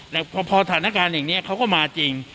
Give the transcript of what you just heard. แต่พอสถานการณ์อย่างนี้เขาก็มาจริง